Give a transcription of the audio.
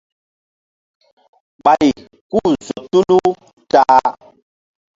Ɓay ku-u zo tulu ta-a.